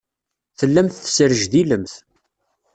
Tellamt tesrejdilemt.